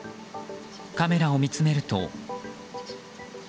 カメラを見つめると。